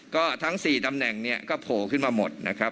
ก็ทั้ง๔ตำแหน่งเนี่ยก็โผล่ขึ้นมาหมดนะครับ